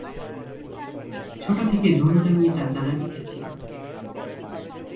তার ছোট থেকে যৌনতা নিয়ে তার জানার ইচ্ছা ছিল।